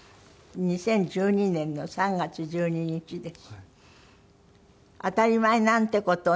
２０１２年の３月１２日です。